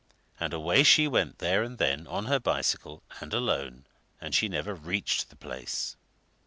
And away she went there and then, on her bicycle, and alone and she never reached the place!"